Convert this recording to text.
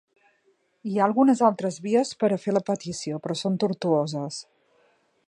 Hi ha algunes altres vies per a fer la petició, però són tortuoses.